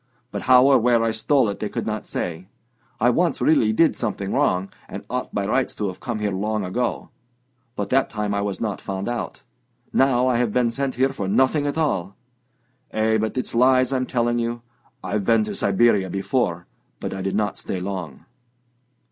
But how or where I stole it they could not say. I once really did something wrong, and ought by rights to have come here long ago, but that time I was not found out. Now I have been sent here for nothing at all... Eh, but it's lies I'm telling you; I've been to Siberia before, but I did not stay long."